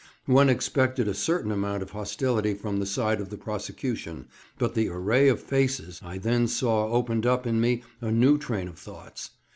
One expected a certain amount of hostility from the side of the prosecution, but the array of faces I then saw opened up in me a new train of thoughts.